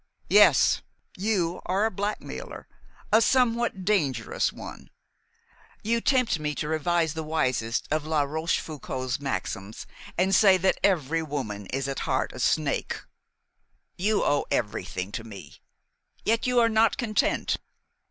"Yes. You are a blackmailer, a somewhat dangerous one. You tempt me to revise the wisest of La Rochefoucauld's maxims, and say that every woman is at heart a snake. You owe everything to me; yet you are not content.